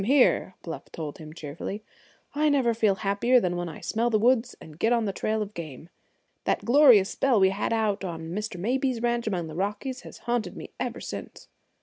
"Same here," Bluff told him cheerfully; "I never feel happier than when I smell the woods and get on the trail of game. That glorious spell we had out on Mr. Mabie's ranch among the Rockies has haunted me ever since."